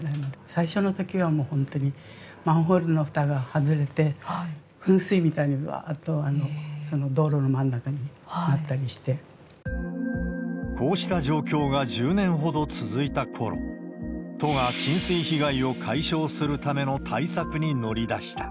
最初のときは、もう本当にマンホールのふたが外れて、噴水みたいに、ぶわーっと、こうした状況が１０年ほど続いたころ、都が浸水被害を解消するための対策に乗り出した。